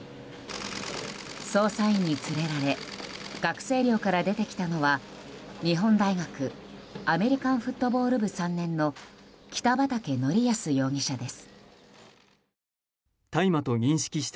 捜査員に連れられ学生寮から出てきたのは日本大学アメリカンフットボール部３年の北畠成文容疑者です。